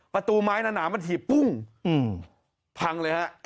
ประตูไม้หนามันถีบปุ้งพังเลยฮะ